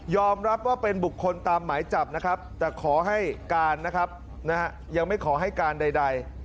รับว่าเป็นบุคคลตามหมายจับนะครับแต่ขอให้การนะครับยังไม่ขอให้การใด